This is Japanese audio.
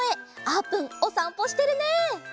あーぷんおさんぽしてるね！